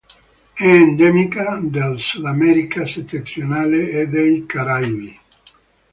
È endemica del Sudamerica settentrionale e dei Caraibi.